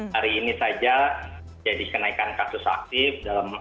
hari ini saja jadi kenaikan kasus aktif